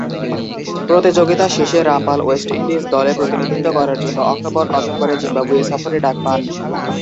প্রতিযোগিতা শেষে Rampal West Indies দলে প্রতিনিধিত্ব করার জন্য অক্টোবর-নভেম্বরে জিম্বাবুয়ে সফরে ডাক পান।